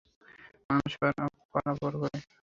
মানুষের পারাপার করে।